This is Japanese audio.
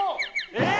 えっ。